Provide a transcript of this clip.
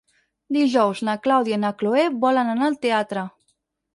Dijous na Clàudia i na Cloè volen anar al teatre.